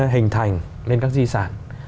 hình thành nên các di sản